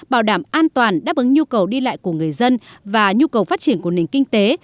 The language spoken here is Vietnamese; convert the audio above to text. bảo đảm an toàn đáp ứng nhu cầu đi lại của người dân và nhu cầu phát triển của nền kinh tế